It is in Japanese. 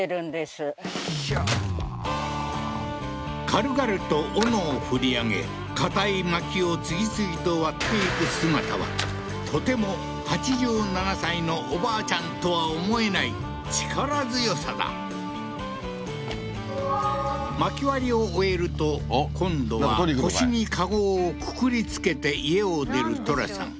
軽々とオノを振り上げ堅い薪を次々と割っていく姿はとても８７歳のおばあちゃんとは思えない力強さだ薪割りを終えると今度は腰に籠をくくり付けて家を出るトラさん